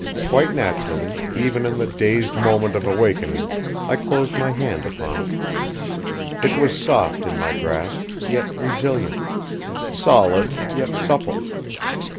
Quite naturally, even in the dazed moment of awakening I closed my hand upon it. It was soft in my grasp, yet resilient; solid, yet supple.